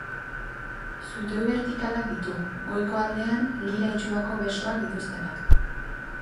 Zutoin bertikalak ditu, goiko aldean lira itxurako besoak dituztenak.